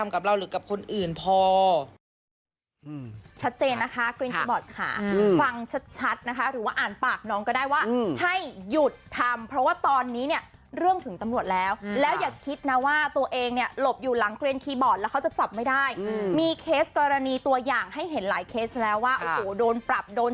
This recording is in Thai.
กับเราหรือกับคนอื่นพอ